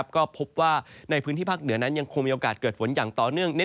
ก็พบว่าในพื้นที่ภาคเหนือนั้นยังคงมีโอกาสเกิดฝนอย่างต่อเนื่อง